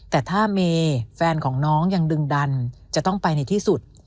แต่ถ้าเมย์แฟนของน้องยังดึงดันจะต้องไปในที่สุด